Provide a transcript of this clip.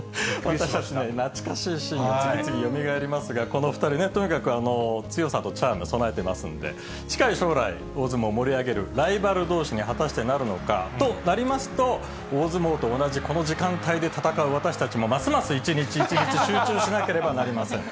懐かしいシーンも次々よみがえりますが、この２人、とにかく強さとチャーム、備えてますんで、近い将来、大相撲盛り上げる、ライバルどうしに果たしてなるのか、となりますと、大相撲と同じこの時間帯で戦う私たちも、ますます一日一日集中しなければなりません。